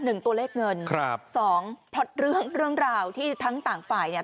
หนึ่งตัวเลขเงินครับสองพล็อตเรื่องเรื่องราวที่ทั้งต่างฝ่ายเนี่ย